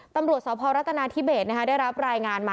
ตำรวจสาวพอร์รัตนาทิเบสนะคะได้รับรายงานมา